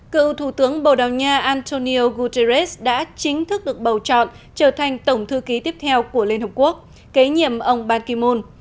cựu thủ tướng bầu đào nha antonio guterres đã chính thức được bầu chọn trở thành tổng thư ký tiếp theo của liên hợp quốc kế nhiệm ông ban ki moon